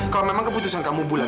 kalau memang keputusan kamu bulat